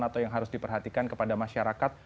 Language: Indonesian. atau yang harus diperhatikan kepada masyarakat